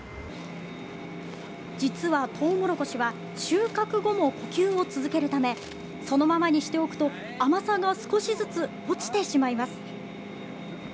実はトウモロコシは、収穫後も呼吸を続けるため、そのままにしておくと、甘さが少しずつ落ちてしまいます。